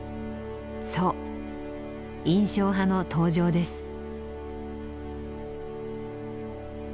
そう印象派の登場です。